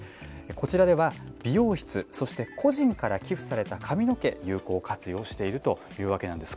こちらでは、美容室、そして個人から寄付された髪の毛、有効活用しているというわけなんです。